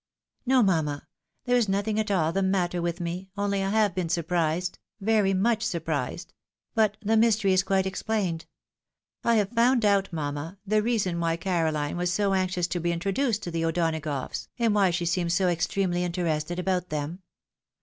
" No, mamma. There is nothing at all the matter with me, only I have been surprised, very much surprised ; but the mystery is quite explained. I have found out, mamma, the reason why Caroline was so anxious to be introduced to the O'Donagoughs, and why she seemed so extremely interested about them."